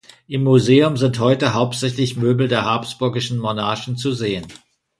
Im Museum sind heute hauptsächlich Möbel der habsburgischen Monarchen zu sehen.